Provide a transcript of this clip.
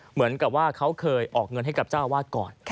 เหมือนกับว่าเขาเคยออกเงินให้กับเจ้าอาวาสก่อน